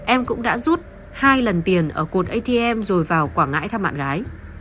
em cũng đã rút hai lần tiền ở cột atm rồi vào quảng ngãi thăm bạn gái